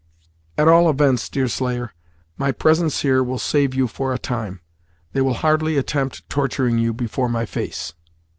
"At all events, Deerslayer, my presence here will save you for a time. They will hardly attempt torturing you before my face!"